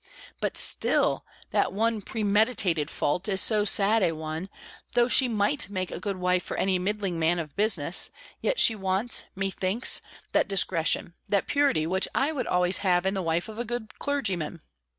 But still, that one premeditated fault, is so sad a one, though she might make a good wife for any middling man of business, yet she wants, methinks, that discretion, that purity, which I would always have in the wife of a good clergyman.